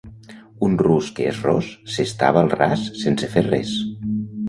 Un rus que és ros, s'estava al ras sense fer res.